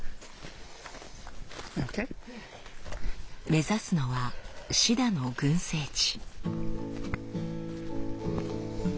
目指すのはシダの群生地。